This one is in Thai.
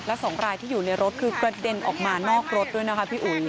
และ๒รายที่อยู่ในรถคือกระเด็นออกมานอกรถด้วยนะคะพี่อุ๋ย